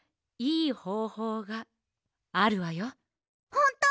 ほんと！？